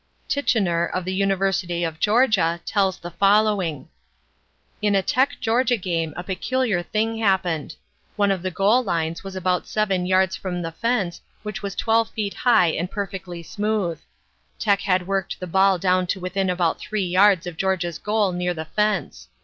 Tichenor, of the University of Georgia, tells the following: "In a Tech Georgia game a peculiar thing happened. One of the goal lines was about seven yards from the fence which was twelve feet high and perfectly smooth. Tech had worked the ball down to within about three yards of Georgia's goal near the fence.